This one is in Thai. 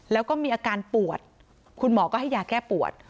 แล้วก็มีอาการปวดคุณหมอก็ให้ยาแก้ปวด